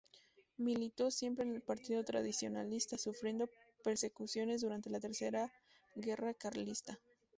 Militó siempre en el partido tradicionalista, sufriendo persecuciones durante la tercera guerra carlista.